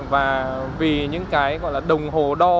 và vì những cái gọi là đồng hồ đo